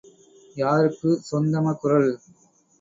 யாருக்குச் சொந்தம குறள்?